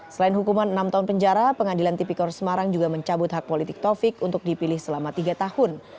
selain hukuman enam tahun penjara pengadilan tipikor semarang juga mencabut hak politik taufik untuk dipilih selama tiga tahun